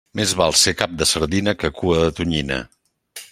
Més val ser cap de sardina que cua de tonyina.